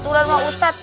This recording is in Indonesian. aturan pak ustadz